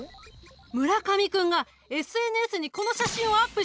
村上君がＳＮＳにこの写真をアップしたんだ！